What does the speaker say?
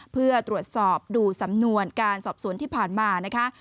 เพื่อตรวจสอบดูสำนวนการสอบสวนที่ผ่านมานะคะ